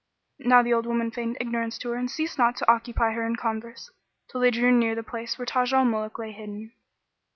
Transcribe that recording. Now the old woman feigned ignorance to her and ceased not to occupy her in converse, till they drew near the place where Taj al Muluk lay hidden.